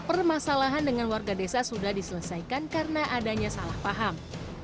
permasalahan dengan warga desa sudah diselesaikan karena adanya salah paham